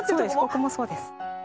ここもそうです。